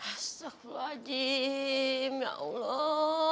astaghfirullahaladzim ya allah